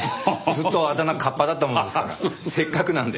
ずっとあだ名カッパだったものですからせっかくなので。